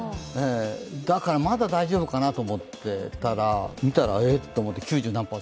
だからまだ大丈夫かなと思っていたら、見たら、えっと思って。